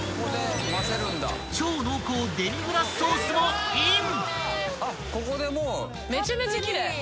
［超濃厚デミグラスソースもイン］